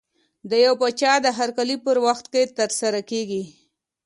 د یو پاچا د هرکلي په وخت کې ترسره کېږي.